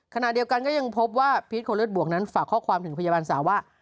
ขณะเดียวกันก็ยังพบว่าพีชคนเลือดบวกนั้นฝากข้อความถึงพยาบาลสาวว่า